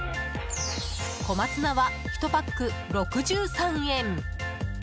小松菜は、１パック６３円。